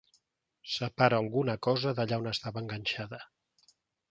Separa alguna cosa d'allà on estava enganxada.